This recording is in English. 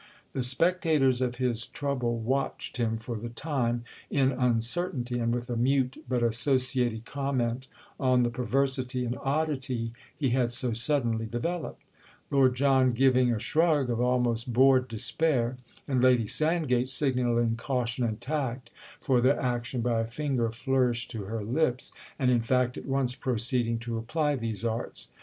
The spectators of his trouble watched him, for the time, in uncertainty and with a mute but associated comment on the perversity and oddity he had so suddenly developed; Lord John giving a shrug of almost bored despair and Lady Sandgate signalling caution and tact for their action by a finger flourished to her lips, and in fact at once proceeding to apply these arts.